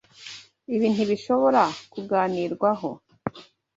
Ibi ntibishobora kuganirwaho